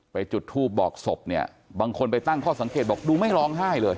จุดทูปบอกศพเนี่ยบางคนไปตั้งข้อสังเกตบอกดูไม่ร้องไห้เลย